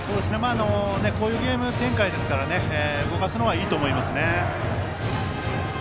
こういうゲーム展開なので動かすのはいいと思いますね。